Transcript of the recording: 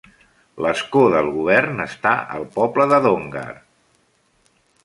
L'escó del govern està al poble de Donggar.